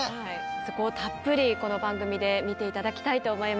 そこをたっぷりこの番組で見て頂きたいと思います。